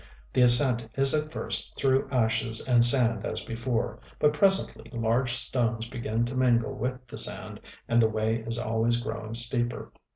The ascent is at first through ashes and sand as before; but presently large stones begin to mingle with the sand; and the way is always growing steeper....